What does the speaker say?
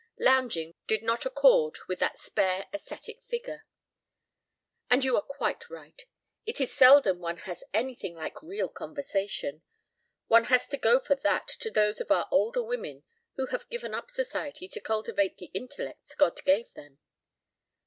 Lounging did not accord with that spare ascetic figure. "And you are quite right. It is seldom one has anything like real conversation. One has to go for that to those of our older women who have given up Society to cultivate the intellects God gave them."